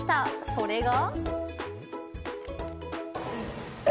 それが。